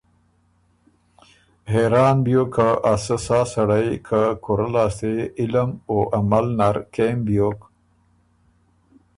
حېران بیوک که ا سۀ سا سړئ که کُورۀ لاسته يې علم او عمل نر کېم بیوک